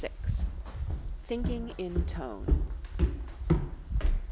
THINKING IN TONE.